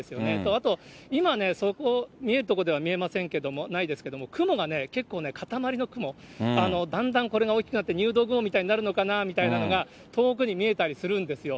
あと、今ね、そこ、見える所では見えませんけど、ないですけれども、雲が結構固まりの雲、だんだんこれが大きくなって、入道雲みたいになるのかなと思って、遠くに見えたりするんですよ。